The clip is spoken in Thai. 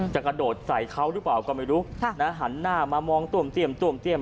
จะกระโดดใส่เขาหรือเปล่าก็ไม่รู้นะหันหน้ามามองต้มเตี้ยม